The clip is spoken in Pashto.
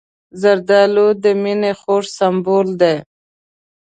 زردالو د مینې خوږ سمبول دی.